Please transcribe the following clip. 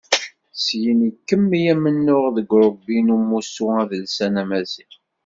Syin ikemmel amennuɣ deg urebbi n umussu adelsan amaziɣ.